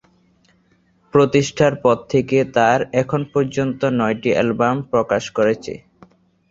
প্রতিষ্ঠার পর থেকে তার এখন পর্যন্ত নয়টি অ্যালবাম প্রকাশ করেছে।